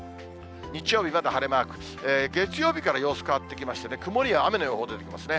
日曜日まだ晴れマーク、月曜日から様子変わってきましてね、曇りや雨の予報出てますね。